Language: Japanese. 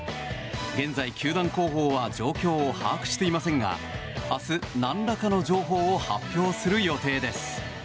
現在、球団広報は状況を把握していませんが明日、何らかの情報を発表する予定です。